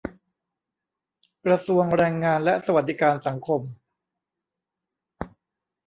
กระทรวงแรงงานและสวัสดิการสังคม